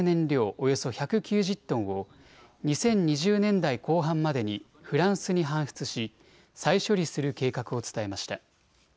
およそ１９０トンを２０２０年代後半までにフランスに搬出し再処理する計画を伝えました。